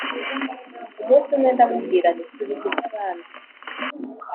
umunsi umwe ndamubwira nti “Subiza iby’abandi